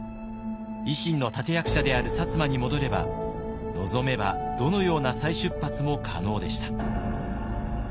維新の立て役者である薩摩に戻れば望めばどのような再出発も可能でした。